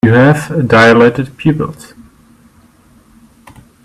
You have dilated pupils.